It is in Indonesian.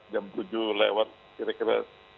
jam tujuh lewat kira kira